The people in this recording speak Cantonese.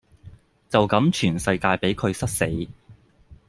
就咁全世界比佢塞死